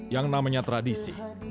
yang namanya tradisi